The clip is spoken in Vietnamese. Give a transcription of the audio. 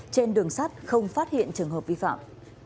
trên đường sát không phát hiện trường hợp vi phạm